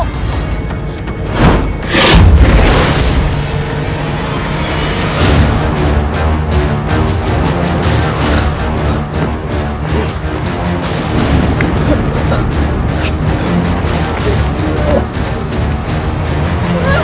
sana werita diri